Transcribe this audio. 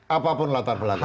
apapun latar belakangnya